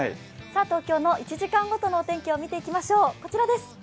東京の１時間ごとのお天気を見ていきましょう、こちらです。